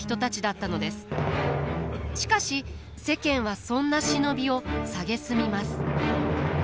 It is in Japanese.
しかし世間はそんな忍びを蔑みます。